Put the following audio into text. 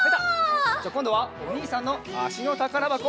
じゃこんどはおにいさんのあしのたからばこ。